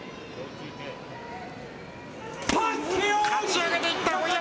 かち上げていった碧山。